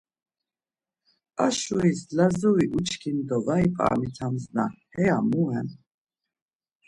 Ar şuris Lazuri uçkin do var ip̌aramitamsna heya mu ren?